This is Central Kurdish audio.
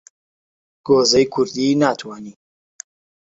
گۆزەی کوردی ناتوانی